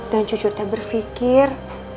dan cucu teh berfikir